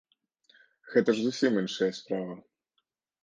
Гэта ж зусім іншая справа.